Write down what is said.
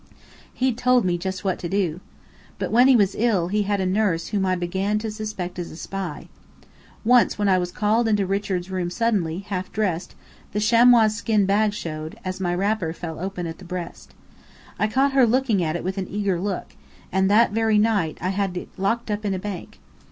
He'd told me just what to do. But when he was ill, he had a nurse whom I began to suspect as a spy. Once when I was called into Richard's room suddenly, half dressed, the chamois skin bag showed, as my wrapper fell open at the breast. I caught her looking at it with an eager look; and that very night I had it locked up in a bank.